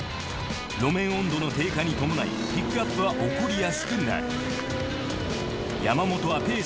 路面温度の低下に伴いピックアップは起こりやすくなる。